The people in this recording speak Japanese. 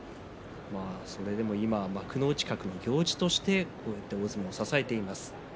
それでも今は幕内格の行司として大相撲を支えています。